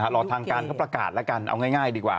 รอทางการเขาประกาศแล้วกันเอาง่ายดีกว่า